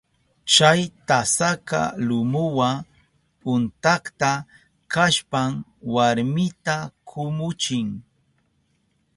Chay tasaka lumuwa untakta kashpan warmita kumuchin.